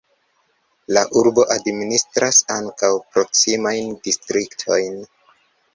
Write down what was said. La urbo administras ankaŭ proksimajn distriktojn.